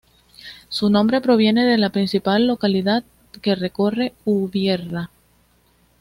Su nombre proviene de la principal localidad que recorre, Ubierna.